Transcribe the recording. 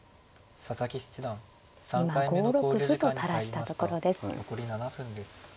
今５六歩と垂らしたところです。